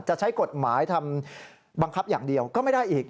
จะใช้กฎหมายทำบังคับอย่างเดียวก็ไม่ได้อีก